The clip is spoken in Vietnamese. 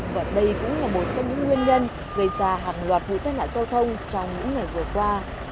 và đây cũng là một trong những nguyên nhân gây ra hàng loạt vụ tai nạn giao thông trong những ngày vừa qua